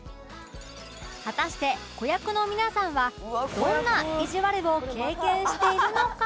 果たして子役の皆さんはどんないじわるを経験しているのか？